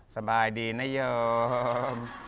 สบายดีนะโยม